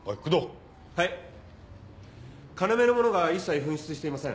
金目のものが一切紛失していません。